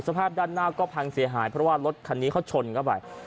สภาพด้านหน้าก็พังเสียหายเพราะว่ารถคันนี้เขาชนเข้าไป